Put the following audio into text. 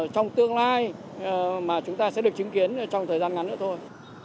trong tương lai mà chúng ta sẽ được chứng kiến trong thời gian ngắn nữa thôi